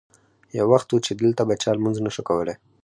یو وخت و چې دلته به چا لمونځ نه شو کولی.